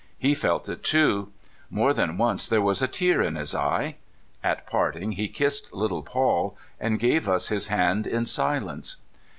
He felt it too. More than once there was a tear in his eye. At parting, he kissed little Paul, and gave us his hand in silence.